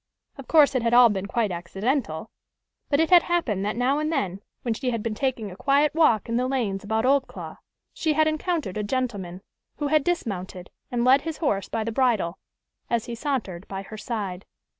Of course it had all been quite accidental; but it had happened that now and then, when she had been taking a quiet walk in the lanes about Oldclough, she had encountered a gentleman, who had dismounted, and led his horse by the bridle, as he sauntered by her side.